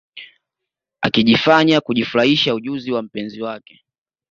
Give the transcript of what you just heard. Akijifanya kujifurahisha ujuzi wa mpenzi wake